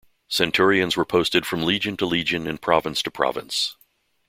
Centurions were posted from legion to legion and province to province.